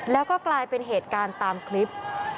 แล้วก็กลายเป็นเหตุการณ์ตามคลิป